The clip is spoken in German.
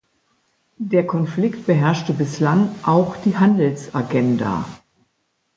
Der Konflikt beherrschte bislang auch die Handelsagenda.